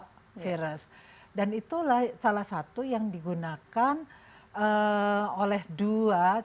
kemudian menggunakan virus believers